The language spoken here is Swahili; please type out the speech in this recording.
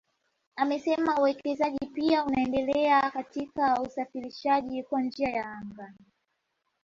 Amesema uwekezaji pia unaendelea katika usafirishaji kwa njia ya anga